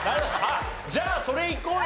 じゃあそれいこうよ